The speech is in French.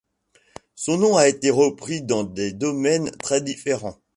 Son nom a été repris dans des domaines très différents.